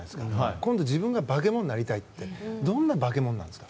今度は自分が化け物になりたいってどんな化け物なんですか？